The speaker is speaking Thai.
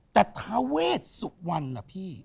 แต่ท้าเวทศุวรรณล่ะพี่